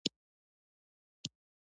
د هوږې غوړي د څه لپاره وکاروم؟